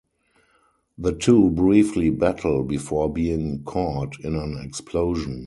The two briefly battle before being caught in an explosion.